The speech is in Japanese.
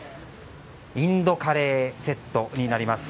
インドカレーセットです。